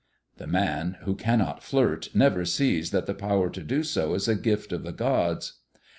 The man who cannot flirt never sees that the power to do so is a gift of the gods.